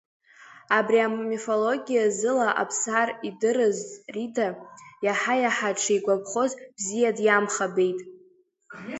Абри амифологиа зыла Аԥсар идырыз Рида, иаҳа-иаҳа дшигәаԥхоз, бзиа диамхабеит.